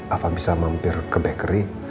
apa bisa mampir ke bakery